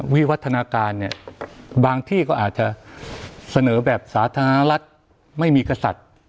วิวัฒนาการเนี่ยบางที่ก็อาจจะเสนอแบบสาธารณรัฐไม่มีกษัตริย์